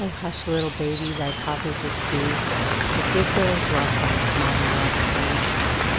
hush little baby, thy Papa's at sea, The big billows rock him as Mama rocks thee.